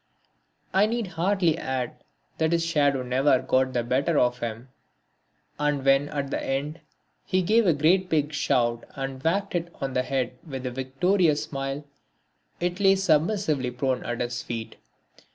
I need hardly add that his shadow never got the better of him and when at the end he gave a great big shout and whacked it on the head with a victorious smile, it lay submissively prone at his feet.